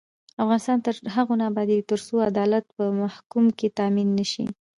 افغانستان تر هغو نه ابادیږي، ترڅو عدالت په محکمو کې تامین نشي.